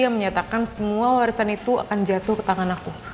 yang menyatakan semua warisan itu akan jatuh ke tangan aku